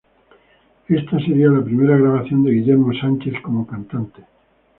Esta seria la primera grabación de Guillermo Sánchez como cantante.